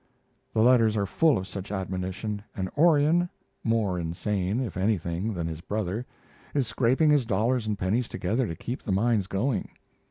The letters are full of such admonition, and Orion, more insane, if anything, than his brother, is scraping his dollars and pennies together to keep the mines going.